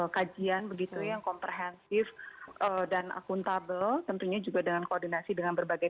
kajian begitu yang komprehensif dan akuntabel tentunya juga dengan koordinasi dengan berbagai